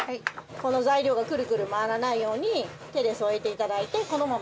材料がくるくる回らないように手で添えていただいてこのまま。